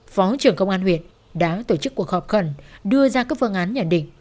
phó trưởng công an huyện đã tổ chức cuộc họp khẩn đưa ra các phương án nhận định